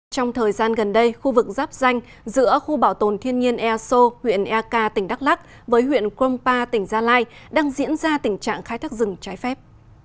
trong thời gian gần đây khu vực giáp danh giữa khu bảo tồn thiên nhiên e sô huyện e k tỉnh đắk lắc với huyện krong pa tỉnh gia lai đang diễn ra tình trạng khai thác rừng trái phép